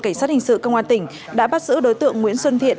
cảnh sát hình sự công an tỉnh đã bắt giữ đối tượng nguyễn xuân thiện